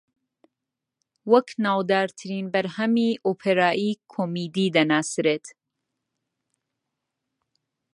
وەک ناودارترین بەرهەمی ئۆپێرایی کۆمیدی دەناسرێت